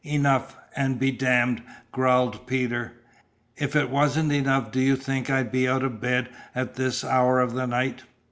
"Enough an' be damned!" growled Peter. "If it wasn't enough do you think I'd be out of bed at this hour of the night?"